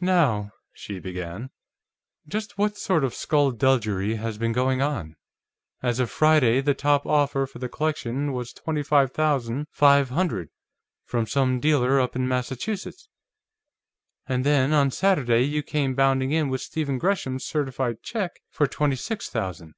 "Now," she began. "Just what sort of skulduggery has been going on? As of Friday, the top offer for the collection was twenty five thousand five hundred, from some dealer up in Massachusetts. And then, on Saturday, you came bounding in with Stephen Gresham's certified check for twenty six thousand.